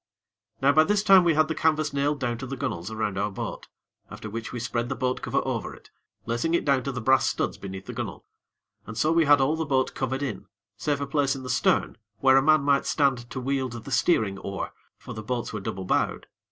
Now by this time we had the canvas nailed down to the gunnels around our boat, after which we spread the boat cover over it, lacing it down to the brass studs beneath the gunnel. And so we had all the boat covered in, save a place in the stern where a man might stand to wield the steering oar, for the boats were double bowed.